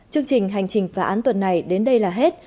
chương trình hành trình phá án tuần này đến đây là hết